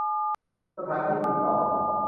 สถานที่ติดต่อ